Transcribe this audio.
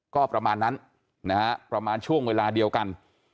ก็ประมาณนั้นนะฮะประมาณช่วงเวลาเดียวกัน